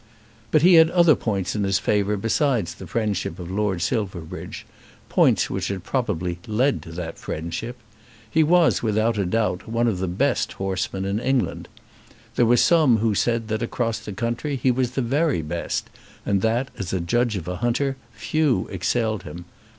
But he had other points in his favour besides the friendship of Lord Silverbridge, points which had probably led to that friendship. He was, without doubt, one of the best horsemen in England. There were some who said that, across country, he was the very best, and that, as a judge of a hunter, few excelled him.